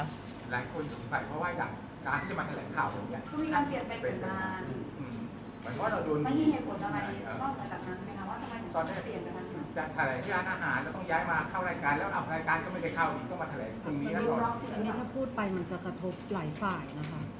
อันนี้ถ้าพูดไปมันจะกระทบหลายฝ่ายนะคะ